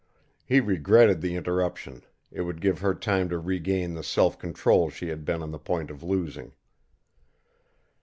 He regretted the interruption; it would give her time to regain the self control she had been on the point of losing.